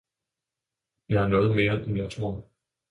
Jeg er noget mere end jeg tror!